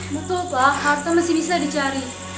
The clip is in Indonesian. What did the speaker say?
betul pak harta masih bisa dicari